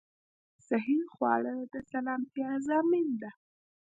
صحې خواړه د سلامتيا ضامن ده